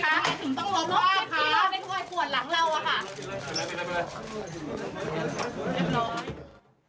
ทำไมถึงต้องรอลบคลิปค่ะไม่ต้องกวนหลังเราค่ะ